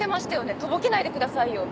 とぼけないでくださいよ。